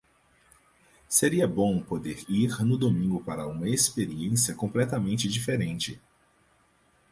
Seria bom poder ir no domingo para uma experiência completamente diferente.